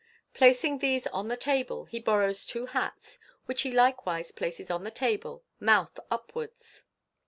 Placing these on the table, he borrows two hats, which he likewise places on the table, mouth upwards.